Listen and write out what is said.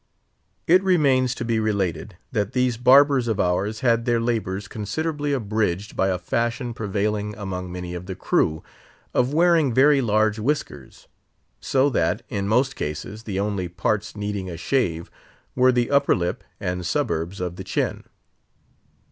It remains to be related, that these barbers of ours had their labours considerably abridged by a fashion prevailing among many of the crew, of wearing very large whiskers; so that, in most cases, the only parts needing a shave were the upper lip and suburbs of the chin.